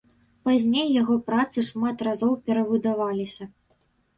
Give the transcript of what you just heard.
Пазней яго працы шмат разоў перавыдаваліся.